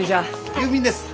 郵便です。